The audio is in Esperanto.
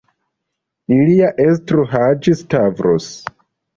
Ilia estro, Haĝi-Stavros.